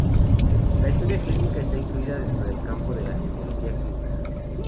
La historia clínica está incluida dentro del campo de la semiología clínica.